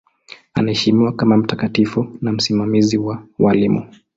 Anaheshimiwa kama mtakatifu na msimamizi wa walimu.